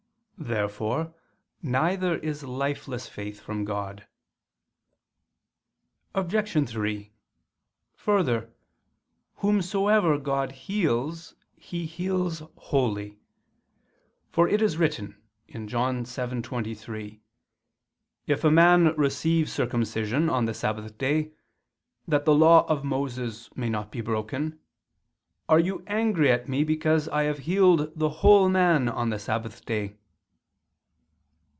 Therefore neither is lifeless faith from God. Obj. 3: Further, whomsoever God heals, He heals wholly: for it is written (John 7:23): "If a man receive circumcision on the sabbath day, that the law of Moses may not be broken; are you angry at Me because I have healed the whole man on the sabbath day?"